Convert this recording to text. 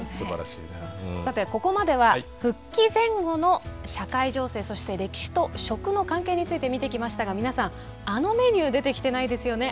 さてここまでは復帰前後の社会情勢そして歴史と食の関係について見てきましたが皆さんあのメニュー出てきてないですよね。